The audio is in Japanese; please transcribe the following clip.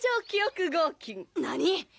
記憶合金何？